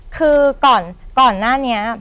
คือก่อนหน้านี้